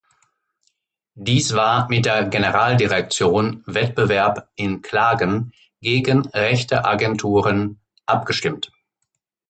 Dies war mit der Generaldirektion Wettbewerb in Klagen gegen Rechteagenturen abgestimmt.